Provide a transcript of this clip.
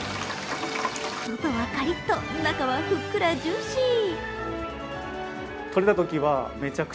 外はカリッと、中はふっくらジューシー。